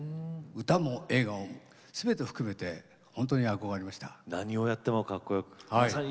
歌も映画も、すべて含めて本当に憧れました。